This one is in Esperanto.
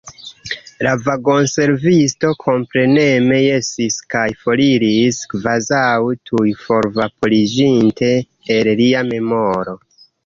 La vagonservisto kompreneme jesis kaj foriris, kvazaŭ tuj forvaporiĝinte el lia memoro.